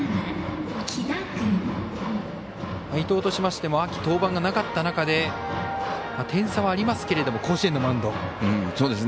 伊藤としても秋、登板がなかった中で点差はありますけれども甲子園のマウンド。